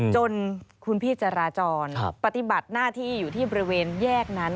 จนคุณพี่จราจรปฏิบัติหน้าที่อยู่ที่บริเวณแยกนั้น